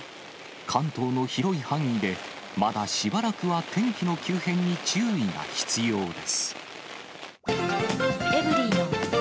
関東の広い範囲で、まだしばらくは天気の急変に注意が必要です。